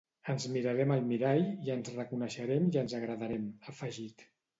Ens mirarem al mirall i ens reconeixerem i ens agradarem, ha afegit.